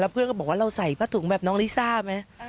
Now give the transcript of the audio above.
เพื่อนก็บอกว่าเราใส่ผ้าถุงแบบน้องลิซ่าไหม